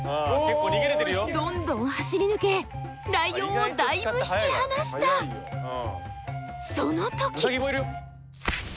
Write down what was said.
どんどん走り抜けライオンをだいぶ引き離したその時！